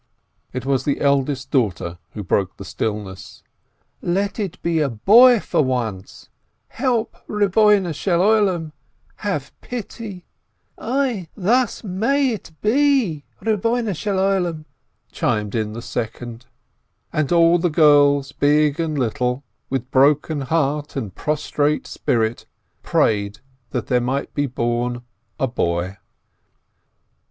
— it was the eldest daughter who broke the stillness — "Let it be a boy for once! Help, Lord of the "World, have pity !" "Oi, thus might it be, Lord of the World!" chimed in the second. And all the girls, little and big, with broken heart and prostrate spirit, prayed that there might be born a boy.